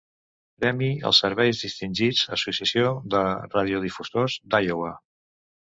Premi als Serveis Distingits, Associació de Radiodifusors d'Iowa.